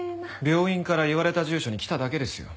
病院から言われた住所に来ただけですよ。